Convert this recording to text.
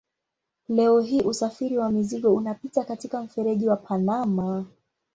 Leo hii usafiri wa mizigo unapita katika mfereji wa Panama.